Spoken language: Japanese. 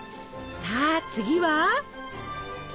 さあ次は？